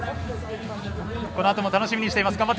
このあとも楽しみにしています。